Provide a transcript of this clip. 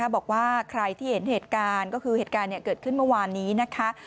บอกว่าใครที่เห็นเหตุการณ์ก็คือเหตุการณ์เกิดขึ้นเมื่อวานนี้นะคะ